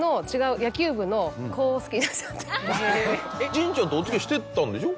神ちゃんとお付き合いしてたんでしょ？